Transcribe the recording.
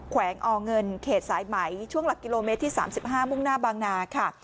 แวงอเงินเขตสายไหมช่วงหลักกิโลเมตรที่๓๕มุ่งหน้าบางนาค่ะ